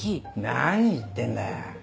何言ってんだ。